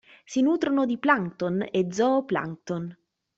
Si nutrono di plancton e zooplancton.